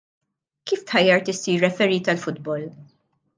Kif tħajjart issir referee tal-futbol?